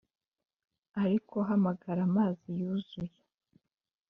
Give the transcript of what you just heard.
ariko hamagara amazi yuzuye.